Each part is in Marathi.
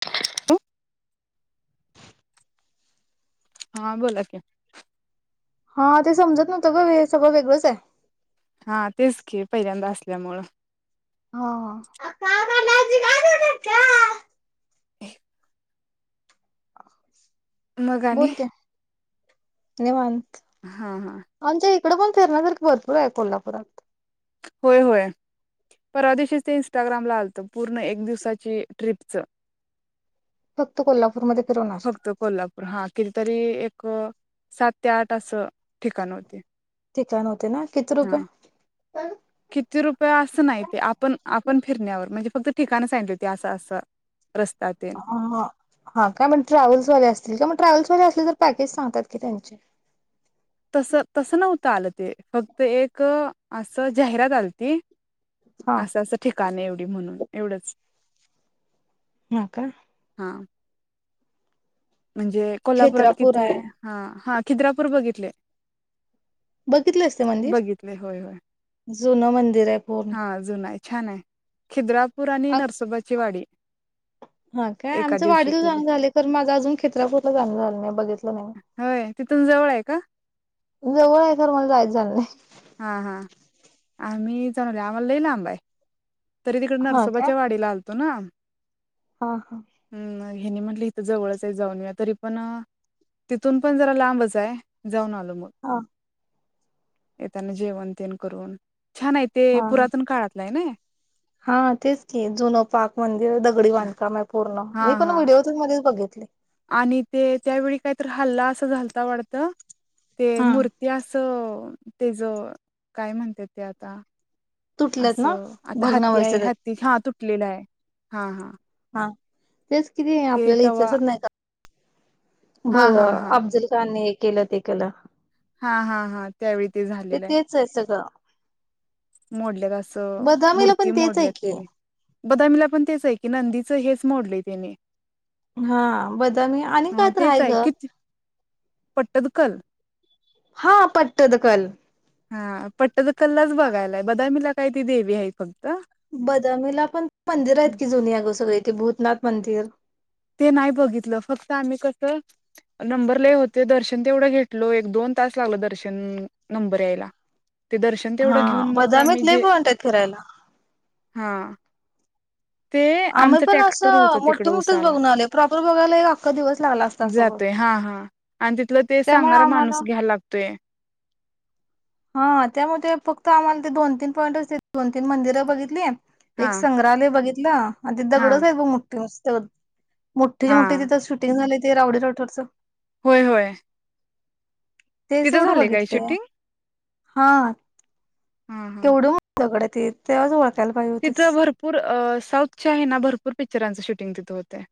त [unintelligible] [inaudible] हा बोला की हा ते समजत नव्हतं ग हे सगळं वेगळंचय हा, तेच की पहिल्यांदा असल्यामुळं हा [unintelligible] [unintelligible] अ [unintelligible] मग आणि निवांत हा हा आमच्या इकडं पण फिरण्यासारख भरपूर हाय कोल्हापुरात होय होय परवा दिवशीच ते इंस्टाग्रामला आलत पूर्ण एक दिवसाच्या ट्रिपच फक्त कोल्हापूरमधे फक्त कोल्हापूर हा कि तरी एक सात ते आठ अस ठिकाण होतें ठिकाण हो हा किती रुपया असं नाही ते आपण आपण फिरण्यावर म्हणजे फक्त ठिकाण सांगितले होती असं असं रस्त हा काय मग ते ट्रॅव्हल्सवाले असतील टॅव्हलस पॅकेज असले तर पॅकेज सांगतात कि त्यांचे तस, तसं नव्हतं आलं. ते फक्त एक असं जाहिरात आलती हा असं असं ठिकाणे एवढं म्हणून एवढंच हं का हा म्हणजे कोल्हापुरात खेत्रापूर किती आहे ह, हा खिद्रापूर बघितलय बघितले असते मंदिर? होय होय जुनं मंदिर आहे पूर्ण हा जुना आहे छान आहे, खिद्रा हा काय एका आमच दिवशी वाडीला केली जाऊन झालय खरं माझ अजून.... चित्रापुर ला जाणं झालं नाही. होय तिथून जवळ आहे का जवळ आहे खर मला जायच झालं नाही. [unintelligible] तरी तिकडे हा काय नसोबाच्या वाडीला आलते.... [unintelligible] हा हा हेनी म्हटले इथे जवळच आहे जाऊन येऊया तरी पण तिथून पण जरा लांबच आहे..... मम हा येताना जेवण तेन करून, छान आहे ते हा हा पुरातन काळातलं आहे ना. हा तेच की जुनं पाक मंदिर दगडी बांधकाम आहे पूर्ण हा मी पण हा व्हिडिओतेन मध्येच बघिते. [inaudible] आणि ते त्यावेळी काहीतर हल्ला असा झालता वाढत. ते हा मूर्ती असं.. ते ज काय म्हणत्यात ते आता... तुटल्यात ना असं आता हत्ती आहे भग्नावस्थेत आहेत हत्ती हा.... [unintelligible] हा तेच कि ते आपल्याला इथच नाही... भ हा हा हा अफजल खान... केलं ते कला.. हा हा हा त्यावेळी ते झालेलं आहे. तेच सगळं मोडलेल असं बदामीला मूर्ती पण तेच आहे मोडल्या की त्यानी बदामीला.... पण तेच आहे की नंदीच हेच मोडलं त्यानी.... हा बदामी आणि काय तर हाय तेच आहे ग. किती पट्टदकल हा पटत द कल... हा पट्टद कल्लाच बघायला आहे, बदामीला काय ती देवी आहे फक्त. बदामीला पण मंदिर आहेत की जुनी अग सगळी. ते भूतनाथ मंदिर, ते नाही बघितलं. फक्त आम्ही कस नंबर लय होते दर्शन तेवढं घेतलो, एक दोन तास लागल दर्शन नंबर यायला. ते दर्शन हा, तेवढं घेऊन मग बदामीत लई पॉइंट आहेत फिरायला. हां. ते आम्ही आमचं पण टॅक्टर होत असं तिकड मोठं मोठंच उसाला. बघून आलोय प्रॉपर बघायला एक अख्खा दिवस लागला असता सगळं. जातोय, हा हा. आणि तिथलं ते त्यामुळे सांगणारा आम्हाला माणूस घ्याला लागतोय. हां. त्यामध्ये फक्त आम्हाला ते दोन तीन पॉईंट च, दोन तीन मंदिर बघितली. एक हा संग्रहालय बघितल [unintelligible] आणि ते हा दगडाचा नुसतं. मोठे च्या हा मोठे, तथं शूटिंग झाले ते रावडीराठ थोडसं होय होय. तिथं झालंय काय शूटिंग? हां. हा केवढं हा मोठे दगड हाय. [unintelligible] तिथं भरपूर अ साऊथ च्या आहे ना भरपूर पिक्चराच शूट टिंग तिथं होतं.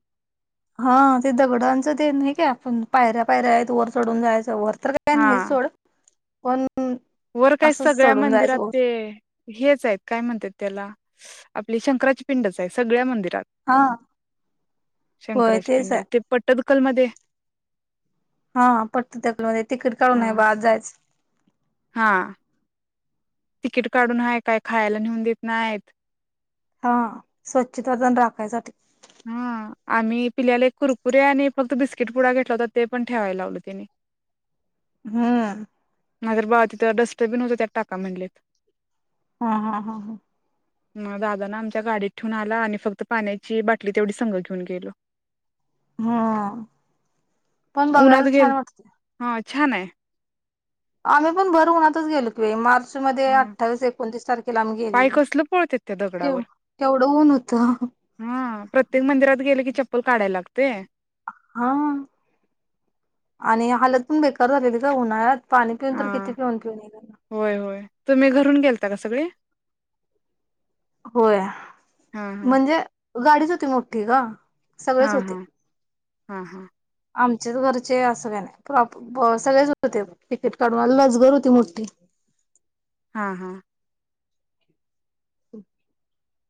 हा ते दगडांच ते नाही का आपण पायऱ्या- पायऱ्या आहेत, वर चढून जायचं. वर तर काय नाही हा सोड पण वर काय असंच सगळ्या चढून मंदिरात जायचं वर ते हेच आहेत, काय म्हणत त्याला? आपली शंकराची पिंडच आहे. सगळ्या मंदिरत रात. हा होय शंकराची तेच आहे. पिंड ये. ते पट अक्कलमध्ये हा [unintelligible] तिकीट काढून ह नाही बा आत जायचं. हा, तिकीट काढून हाय. काय खायला नेऊन देत नाहीत. हा स्वच्छता तन राखायसाठी. हा आम्ही पिल्याला एक कुरकुरे आणि फक्त बिस्किट पुडा घेतला होता, ते पण ठेवायला लावले त्यांनी. हं. नाही तर बाबा तिथं डस्टबिन होत. त्यात टाका म्हणलेत. हां हां हां हां. म दादा ना आमच्या गाडीत ठेवून आला आणि फक्त पाण्याची बाटली तेवढी संघ घेऊन गेलो. हा, पण उन्हात बघायला गेल छान वाटतेय. हा छान हाय. आम्ही पण भर उन्हातच गेलवतो बाई. माझं मध्ये ह अठ्ठावीस, एकोणतीस तारखेला आम्ही पाय गेलेलो. कसलं पळतेत त्या केव दगडावर केवढं ऊन होतं हा प्रत्येक मंदिरात गेलं की चप्पल काढाला लागतंय. हा. आणि हालत पण बेकार झालेली ग उन्हाळ्यात. पाणी पिऊन हा तर किती पिऊन पिऊन येईल. होय, होय. तुम्ही घरून गेल त का सगळी? होय म्हणजे गाडीच होती मोठी गं सगळेच हा हा होते. हा हा, हा. आमचेच घरचे असं काय नाही प्रॉप सगळेच होते तिकीट काढून लगजरी होती मोठी हा, हा.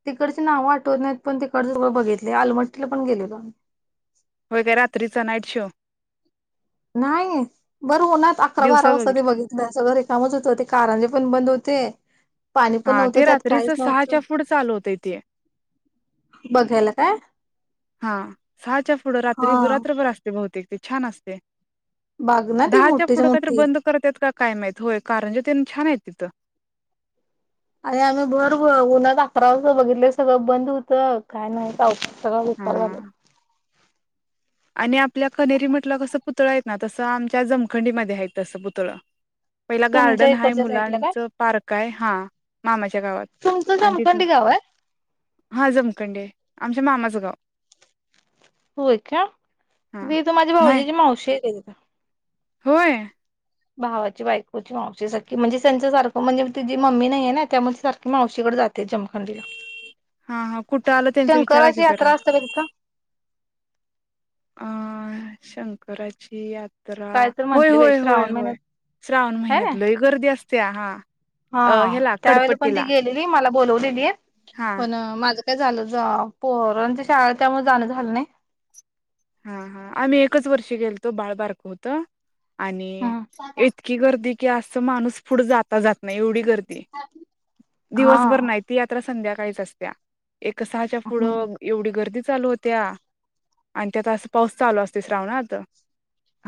तिकडच नाव आठवत नाहीत पण तिकड सगळं बघितलं आलमट्टीला पण गेलेलो आम्ही. व्हय काय रात्रीचा नाईट शो नाही. भर उन्हात अकरा, बारा वाजता ते बघितलं सगळं कामच होत ते कारांजे पण बंद होते पाणी पण हा नव्हतं, ते त्यात रात्रीच काहीच नव्हतं. सहाच्या पुढं चालू होतंय ते बघायला काय हा, सहाच्या पुढं हा रात्री रात्रभर असतंय बहुतेक ते छान असतंय. बाग ना ती दहाच्या पुढ मोठीच्या कायतरी मोठी. बंद करतयेत का काय माहित. होय, कारंजे तेन छान आहेत तिथं. आणि आम्ही भर उन्हात अकरा वाजता बघितलं, सगळं बंद होतं. काय नाही अहो सगळं विपार झालेलं. हा आणि आपल्या कन्हेरी मठला कसं पुतळं आहेत ना, तसं आमच्या जमखंडीमध्ये आहेत तसं पुतळं. पहिला तुमच्या गार्डन आहे, इकडच्या साईडला काय मुलांच पार्क आहे हा मामाच्या गावात तुमचं आणि तिथंन जमखंडी गाव आहे हा जमखंडी हाय. आमच्या मामाचं गाव होय काय? ती हा तिथं माझ्या माय भाऊजची मावशी आहे ताई होय? भावाची बायकोची मावशी. सख्खी म्हणजे त्यांच सारखं म्हणजे तिझी मम्मी नाहीये ना, त्यामुळे ती सारखी मावशीकडे जात ते जमखंडीला हा हा कुठं आलं त्यांचा विचारा शंकराची की जरा यात्रा असत्या बाई तिथं. अं शंकराची या तर काय होय, म्हंटली बाई होय, होय, श्रावण होय. महिन्यात श्रावण हाय महिन्यात ना लई गर्दी असत्या हा. अ ह्याला कडपट्टीला. बोलवलेलीत हा पण माझं का झालं जा पोरांच्या शाळा त्यामुळे जाणं झालं नाही. हा, हा. आम्ही एकच वर्षी गेलतो बाळ बारक होतं आणि हा इतकी गर्दी कि असं माणूस पुढं जाता जात नाही एवढी गरज दिवसभर नाहीती यात्रा संध्याकाळी काहीच असत्या एक सहाच्या पुढं एवढी गर्दी चालू होत्या. आणि त्यात असं पाऊस चालू असतय श्रावणात.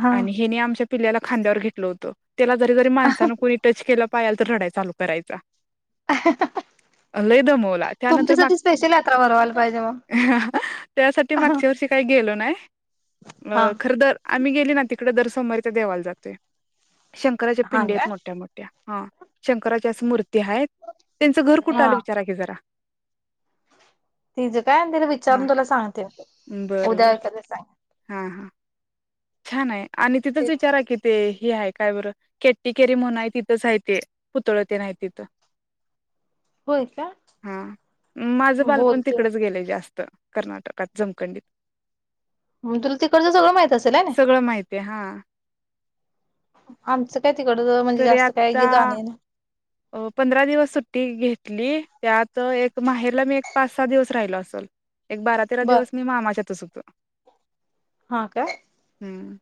हा आणि हेनी आमच्या पिल्ल्याला खांद्यावर घेतलं होतं. त्याला जरी जरी माणसानं कोणी टच केलं पायाल तर रडाय चालू करायचा. [unintelligible] अ लई दम त्यानंतर अ तुमच्यासाठी स्पेशल यात्रा भरवायला पाहिजे मग. त्याच्यासाठी हा लो ना नाही अ खरतर आम्ही गेली ना तिकडे दरसोमवारी त्या देवाला जातोय शंकराच्या हा पिंडे का आहेत मोठ्या मोठ्या हा शंकराची अस मूर्ती ते आहेत त्यांचं घर कुठं हा आलं विचाराय क जरा ति जे काय तिला विचारून तुला सांगते बर उद्या बर एखाद्या सांग हा हा छान आहे आणि तिथंच विचारा कि ते ह आहेय काय बरं केट्टी केेरी म्हून आहे तिथंचय ते पुतळ ते नाही तिथं होय का हा माझ बालपण बोलते तिकडेच गेलं जास्त कर्नाटकात जमखंडित मग तुला तिकडं सगळं माहितचं सगळं माहतीय आहे हा आमच तरी आता अ पंधरा दिवस सुट्टी घेत ली त्यात एक माहेरला मी एक पाच सहा दिवस राहिल असल एक बारा तेरा बर दिवस मी मामाच्यातस तर हा का हम्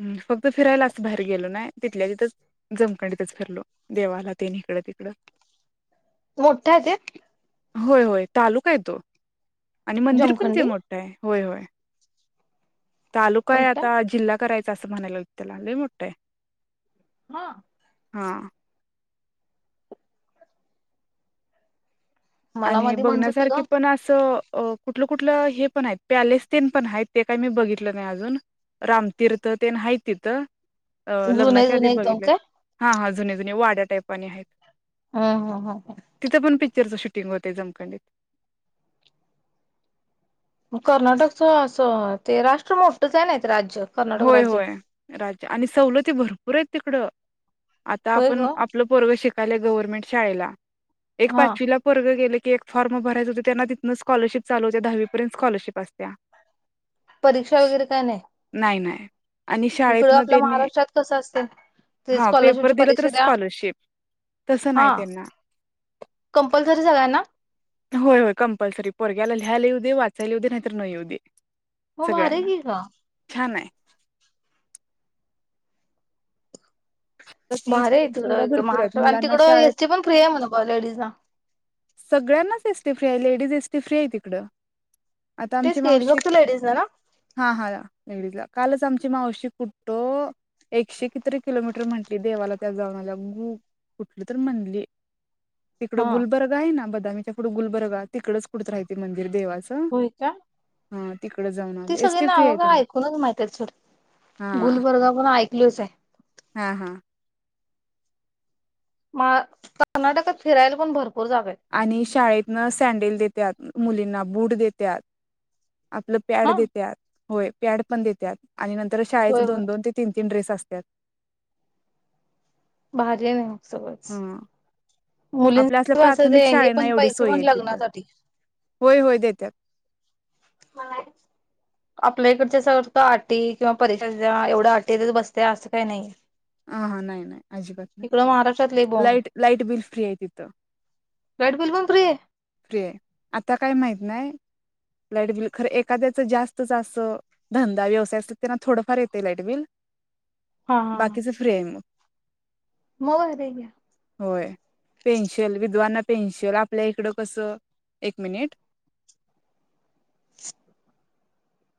हम् फक्त फिरायला असं बाहेर गेलो नाही. तिथल्या तिथंच जमखंडीतच फिरलो देवाला तीन इकडं तिकडं [unintelligible] होय होय तालुका आहे तो, आणि मंदिर पण ते जमखंडी मोठं आहे. व्हय व्हय तालुकाये मोठा आता जिल्ह्यात चा अस म्हणायला ल त्याला लई मोठये हा हा मला आणि मध्ये म्हणत होती बघण्यासारखे ग पण अस अ कुठल कुठल हेपण आहेत पॅलेस तेंपण आहेत ते काय मी बघितलं नाही आजून रामतीर्थतेन आहेत तिथं जुने लग्नाच्या आधी जुने एकदम बघितले काय हा हा जुन्या जुन्या वाड्यात आहे पानी आहेत. हं ह ह. चेरजशीद तिनं वर ते जमखंडीत - मंग कर्नाटकच अस अ ते राष्ट्र मोठंच ये नाई होय व्हय राज्य आणि सवलती भरपूर येतं तिकड. आता होय आपण ग आपलं पोरग शिक पहिले गवर्नमेंट शाळेला एक हा पाचवीला पोरग गेल ते एक फॉर्म भरायच होत त्यानं तिथंन स्कॉलरशिप चालू होते दहावी पर्यंत स्कॉलरशिप असत्या. परीक्षा वगैरे काय नाय नाई नाय इकडं आपल्या महाराष्ट्रात कस असत, ते हा पेपर स्कॉलरशिपची दिला तर परीक्षा द्या, स्कॉलरशिप. तसं नाही हां त्यांना कम्प्लसरी सगळ्यांना होय होय, कंपल्सरी पोरग्याला लियला येऊदे, वाचायला येऊदे, नाहीतर न येऊदे. मग भारी की ग आहे तर ती भारिये तिकड सोयीसुविधा एकदम भरपूर आहेत महाराष्ट्र आन मुलांना तिकड शाळेत एस टी पण म्हण फ्री आहे लेडीजला सगळ्यांनाच एस टी फ्री आहे लेडीज एस टी फ्री आहे तिकडं आता आमची तेच येईल मावशी फक्त लेडीज ना ना हा हा कालच आमची मावशी कुठं अ एकशे कितीतरी किलोमीटर म्हटली देवाला त्या जाऊन आल्या उं कुठलतर म्हणली तिकड हा गुलबर [unintelligible] ती नांबदलचा पुढ गुल्बर गाव तिकडचं कुठतर आहे ते मंदिर देवा व्हयका जाऊन ते आले सगळे एसटी फ्री नाव आहे काय त्यांना ऐकूनच माहितसर हा गुलबरगाव पण ऐकलंच ये हा हा मा अ कर्नाटकात फिरायला पण भर आणि शाळेतंन सँडल देत त्यात मुलींना बूट देत्यात आपलं पॅड हा देत्यात होय प्याड पण देतात. आणि नंतर शाळेचे होय होय दोन, दोन ते तीन, तीन ड्रेस. त्या असत्यात. भारी हाय बाय मग. सगळंच आपल्या असल्या प्राथमिक मुलीं हे शाळेना पण एवढी पैसे सोय पण लग्नासाठी. त्यात. आपल्या इकडच्या अस आटी किंवा, परीक्षाच्या एवढं आटी बसते असं काही नाहीय. ह हा नाही नाही अजिबा त नाही, महाराष्ट्रात लय बॉम्ब आहे लाईट लाईट बिल फ्री आहे. तिथ लाईट बिल पण फ्री आहे फ्री आहे. आता काय माहत नाही, लाईटबिल खरं एखाद्याच जास्त जास्त धंदा व्यवसाय असत त्यांना थोडंफार येते, लाईटबिल. हा हा. तेमु मर ग [unintelligible] होय पेन्शिल विद्वाना पेन्शिल आपल्या इकडं कसं, एक मिनिट.